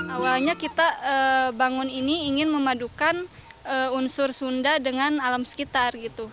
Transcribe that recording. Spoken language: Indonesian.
awalnya kita bangun ini ingin memadukan unsur sunda dengan alam sekitar gitu